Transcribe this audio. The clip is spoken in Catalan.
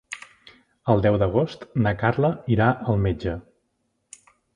El deu d'agost na Carla irà al metge.